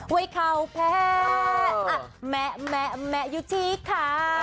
ไว้เขาแพ้แมะแมะอยู่ที่ค่ะ